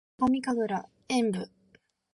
ヒノカミ神楽炎舞（ひのかみかぐらえんぶ）